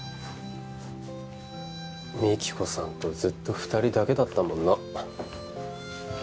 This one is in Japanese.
美貴子さんとずっと二人だけだったもんな